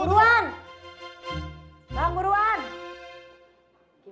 iya iya tunggu tunggu tunggu